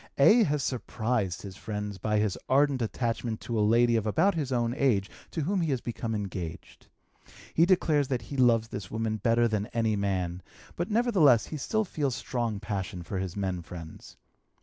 A. has surprised his friends by his ardent attachment to a lady of about his own age to whom he has become engaged. He declares that he loves this woman better than any man, but nevertheless he still feels strong passion for his men friends.